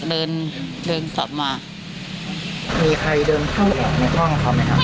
มีใครเดินเข้าแห่งในห้องเขาไหมครับ